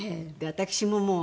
私ももう。